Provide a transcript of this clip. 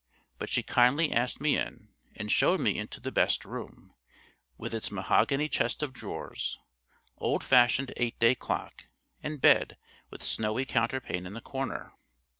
But she kindly asked me in, and showed me into the best room, with its mahogany chest of drawers, old fashioned eight day clock, and bed with snowy counterpane in the corner.